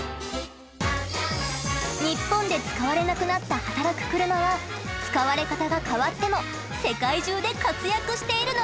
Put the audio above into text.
ニッポンで使われなくなった働く車は使われ方が変わっても世界中で活躍しているのである！